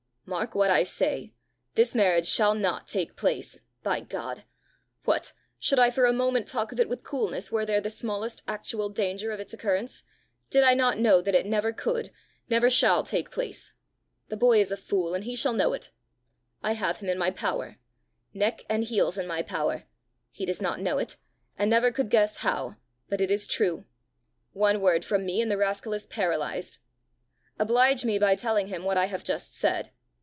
Mark what I say: this marriage shall not take place by God! What! should I for a moment talk of it with coolness were there the smallest actual danger of its occurrence did I not know that it never could, never shall take place! The boy is a fool, and he shall know it! I have him in my power neck and heels in my power! He does not know it, and never could guess how; but it is true: one word from me, and the rascal is paralysed! Oblige me by telling him what I have just said.